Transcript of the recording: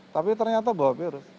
tapi ternyata bawa virus